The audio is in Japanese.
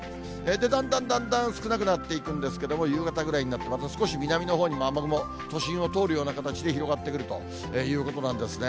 だんだんだんだん少なくなっていくんですけれども、夕方ぐらいになってまた少し南のほうにも雨雲、都心を通るような形で広がってくるというなんですね。